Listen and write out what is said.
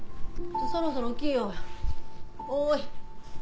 そろそろ起きようおい。